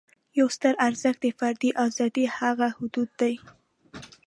یو ستر ارزښت د فردي آزادۍ هغه حدود دي.